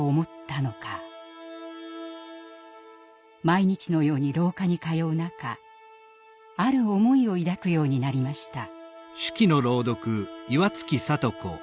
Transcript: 毎日のように廊下に通う中ある思いを抱くようになりました。